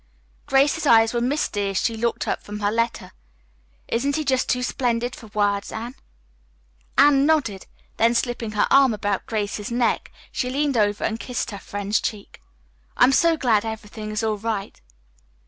Grace's eyes were misty as she looked up from her letter. "Isn't he just too splendid for words, Anne?" Anne nodded, then, slipping her arm about Grace's neck, she leaned over and kissed her friend's cheek. "I am so glad everything is all right."